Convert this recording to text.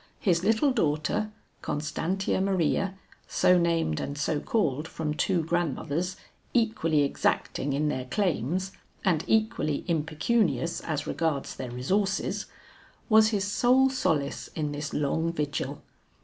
His little daughter, Constantia Maria so named and so called from two grandmothers, equally exacting in their claims and equally impecunious as regards their resources was his sole solace in this long vigil.